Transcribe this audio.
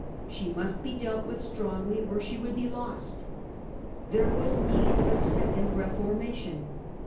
She must be dealt with strongly or she would be lost. There was need of a second Reforma tion.